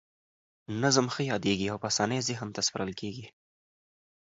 نظم ښه یادیږي او په اسانۍ ذهن ته سپارل کیږي.